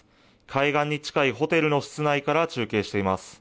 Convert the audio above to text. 海岸に近いホテルの室内から中継しています。